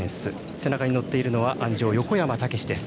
背中に乗っているのは鞍上横山武史です。